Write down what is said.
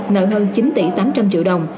nợ hơn chín tỷ tám trăm linh triệu đồng